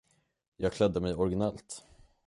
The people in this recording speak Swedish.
Jag klädde mig originellt.